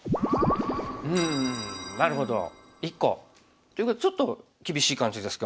うんなるほど１個。ということはちょっと厳しい感じですか。